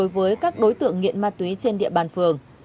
với các đối tượng nghiện ma túy trên địa bàn phường